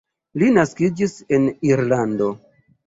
Li naskiĝis en Irlando.